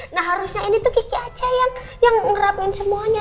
nah harusnya ini gigi saja yang merapikan semuanya